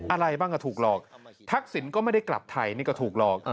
อะไรบ้างก็ถูกหลอกทักษิณก็ไม่ได้กลับไทยนี่ก็ถูกหลอก